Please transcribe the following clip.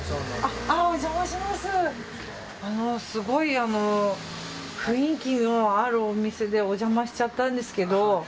すごい雰囲気のあるお店でお邪魔しちゃったんですけど。